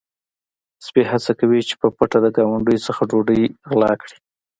سپی هڅه کوي چې په پټه د ګاونډي څخه ډوډۍ وغلا کړي.